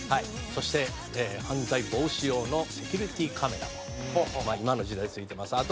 「そして犯罪防止用のセキュリティーカメラも今の時代ついてます」